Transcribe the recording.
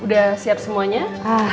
sudah siap semuanya